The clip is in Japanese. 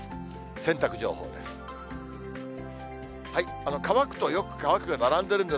洗濯情報です。